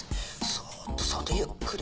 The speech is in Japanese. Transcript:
そっとそっとゆっくり。